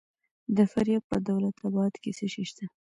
د فاریاب په دولت اباد کې څه شی شته؟